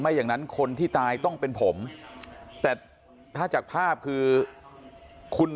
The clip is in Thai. อย่างนั้นคนที่ตายต้องเป็นผมแต่ถ้าจากภาพคือคุณ